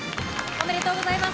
おめでとうございます。